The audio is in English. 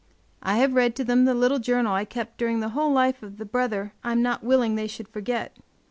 I have read to them the little journal I kept during the whole life of the brother I am not willing they should forget.